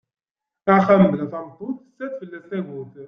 Axxam bla tameṭṭut tessa-d fell-as tagut.